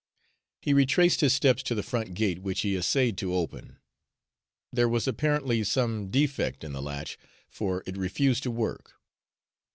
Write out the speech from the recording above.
He retraced his steps to the front gate, which he essayed to open. There was apparently some defect in the latch, for it refused to work.